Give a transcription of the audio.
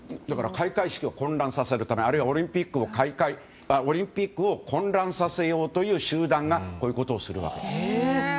開会式を混乱させるためあるいはオリンピックを混乱させようという集団がこういうことをするわけです。